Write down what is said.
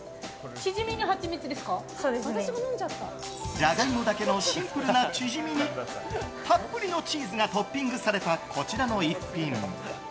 ジャガイモだけのシンプルなチヂミにたっぷりのチーズがトッピングされたこちらの一品。